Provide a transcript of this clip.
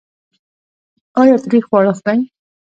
ایا تریخ خواړه خورئ؟